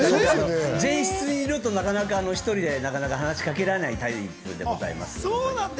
前室にいるとなかなか話し掛けられないタイプでございます。